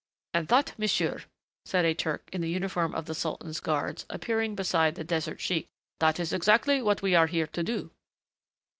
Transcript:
"And that, monsieur," said a Turk in the uniform of the Sultan's guards, appearing beside the desert sheik, "that is exactly what we are here to do."